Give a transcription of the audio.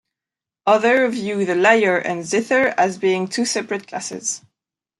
Others view the lyre and zither as being two separate classes.